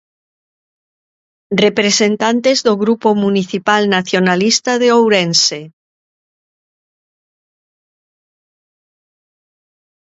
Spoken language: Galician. Representantes do grupo municipal nacionalista de Ourense.